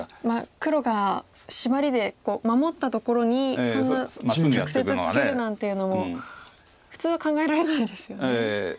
黒がシマリで守ったところにそんな直接ツケるなんていうのも普通は考えられないですよね。